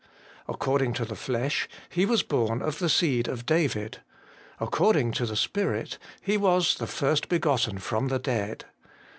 * According to the flesh, He was born of the seed of David. According to the Spirit, He was the first begotten from the dead.